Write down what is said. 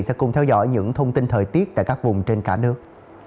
sẽ cùng theo dõi những thông tin thời tiết tại các vùng trên cả nước